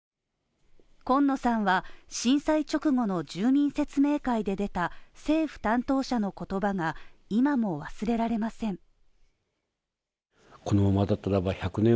今野さんは震災直後の住民説明会で出た政府担当者の言葉が今も忘れられません。